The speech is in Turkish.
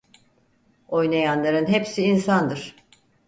Oynayanların hepsi insandır.